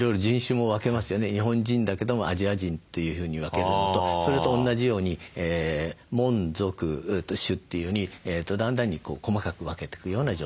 日本人だけどもアジア人というふうに分けるのとそれとおんなじように「門」「属」「種」というようにだんだんに細かく分けていくような状態ですね。